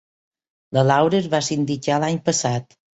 La Laura es va sindicar l'any passat.